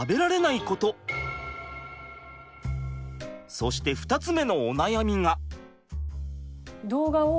そして２つ目のお悩みが。